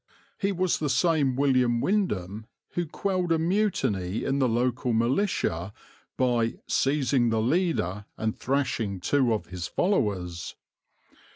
He was the same William Windham who quelled a mutiny in the local militia by "seizing the leader and thrashing two of his followers."